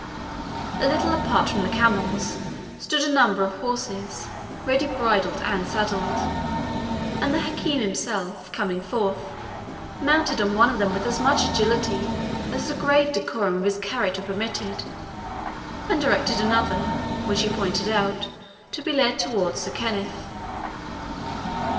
A little apart from the camels stood a number of horses ready bridled and saddled, and the Hakim himself, coming forth, mounted on one of them with as much agility as the grave decorum of his character permitted, and directed another, which he pointed out, to be led towards Sir Kenneth.